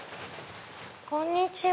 こんにちは。